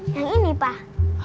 yang ini pak